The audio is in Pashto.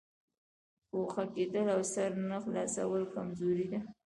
ګوښه کېدل او سر نه خلاصول کمزوري ده.